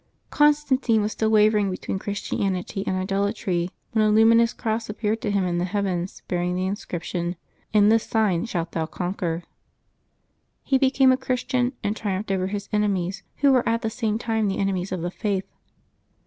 GONSTANTINE was still wavcriug between Christianity and idolatry when a luminous cross appeared to him in the heavens, bearing the inscription, ^^ In this sign shalt thou conquer.'^ He became a Christian, and triumphed over his enemies, who were at the same time the enemies of the Faith.